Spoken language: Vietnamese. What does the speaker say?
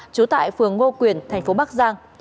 trú tại phường ngô quyền thành phố bắc giang